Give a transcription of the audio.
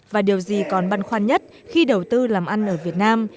và điều gì còn băn khoăn nhất khi đầu tư làm ăn ở việt nam